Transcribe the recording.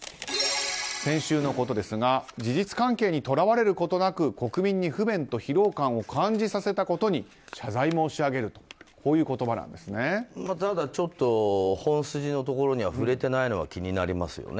先週のことですが事実関係にとらわれることなく国民に不便と疲労感を感じさせたことに謝罪申し上げるとただ、ちょっと本筋のところに触れていないのが気になりますよね。